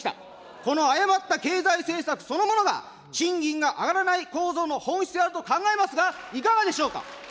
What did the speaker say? この誤った経済政策そのものが賃金が上がらない構造の本質であると考えますが、いかがでしょうか。